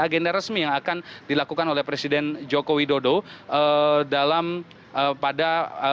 agenda resmi yang akan dilakukan oleh presiden joko widodo dalam pada